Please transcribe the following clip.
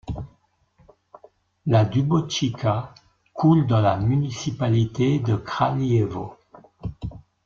La Dubočica coule dans la municipalité de Kraljevo.